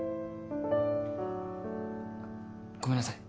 ごめんなさい。